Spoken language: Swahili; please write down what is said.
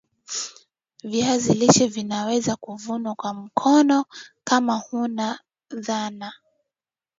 viazi lishe vinaweza kuvunwa kwa mkono kama huna dhana